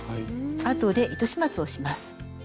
あとで糸始末をします。